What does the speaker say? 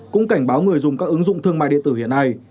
cũng cảnh báo người dùng các ứng dụng thương mại điện tử hiện nay